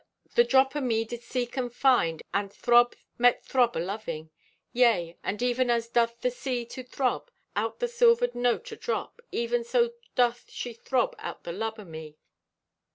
The drop o' me did seek and find, and throb met throb o' loving. Yea, and even as doth the sea to throb out the silvered note o' drop, even so doth she to throb out the love o' me."